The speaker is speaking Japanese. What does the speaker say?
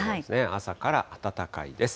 朝から暖かいです。